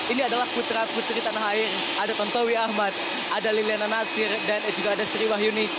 ini adalah putra putri tanah air ada tontowi ahmad ada liliana nasir dan juga ada sri wahyuni